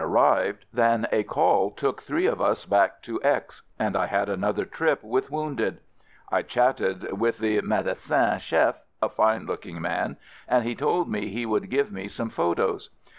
¥:"'"_ Kj FIELD SERVICE 41 rived than a call took three of us back to X and I had another trip with wounded. I chatted with the "medecin chef "— a fine looking man — and he told me he would give me some photos.